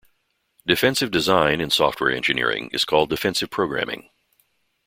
Defensive design in software engineering is called defensive programming.